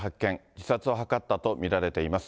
自殺を図ったと見られています。